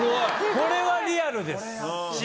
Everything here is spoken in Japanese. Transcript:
これはリアルです。